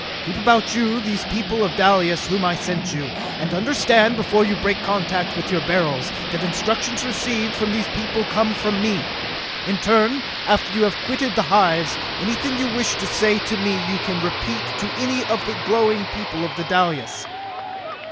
Keep about you those people of Dalis whom I sent you, and understand before you break contact with your Beryls, that instructions received from these people come from me! In turn, after you have quitted the hives, anything you wish to say to me you can repeat to any one of the glowing people of Dalis!"